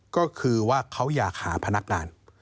ก็คือว่าเขาอยากหาพนักงาน